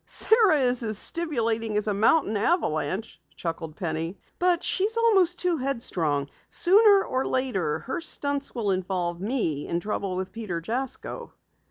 "Sara is as stimulating as a mountain avalanche," chuckled Penny, "but she's almost too headstrong. Sooner or later her stunts will involve me in trouble with Peter Jasko."